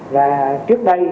và trước đây